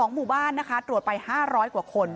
หมู่บ้านนะคะตรวจไป๕๐๐กว่าคน